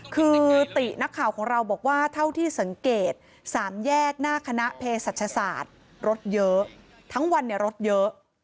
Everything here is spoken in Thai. คือตินักข่าวของเราบอกว่าเท่าที่สังเกต๓แยกหน้าคณะเพศศาสตร์รถเยอะทั้งวันเนี่ยรถเยอะ